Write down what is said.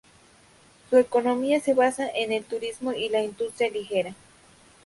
Su economía se basa en el turismo y la industria ligera.